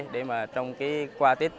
để mà trong cái qua tết